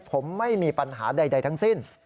ผมไม่มีปัญหาใดทั้งสิ้น